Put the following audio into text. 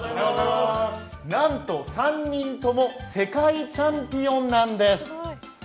なんと、３人とも世界チャンピオンなんです！